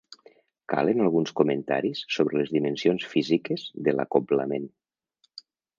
Calen alguns comentaris sobre les dimensions físiques de l'acoblament.